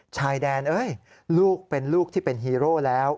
ชายแดนเอ้ยลูกเป็นลูกที่เป็นฮีโร่แล้ว